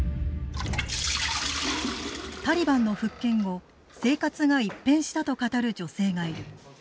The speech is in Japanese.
タリバンの復権後生活が一変したと語る女性がいる。